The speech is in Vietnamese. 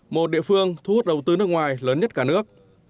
một địa phương thu hút đầu tư nước ngoài lớn nhất cả nước